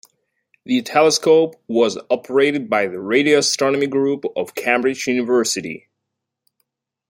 The telescope was operated by the Radio Astronomy Group of Cambridge University.